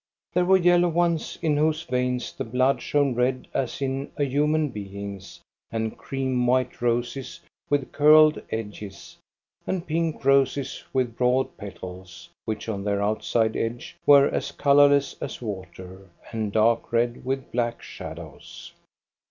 There were yellow ones in whose veins the blood shone red as in a human being's, and cream white roses with curled edges, and pink roses with broad petals, which on their outside edge were as colorless as water, and dark red with black shadows.